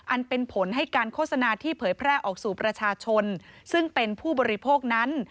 อันเป็นผลให้การโฆษณาที่เผยแพร่ออกสู่ประชาชนซึ่งเป็นผู้บริโภคนั้น